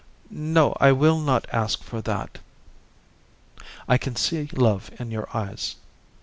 "No, I will not ask for that. I can see love in your eyes."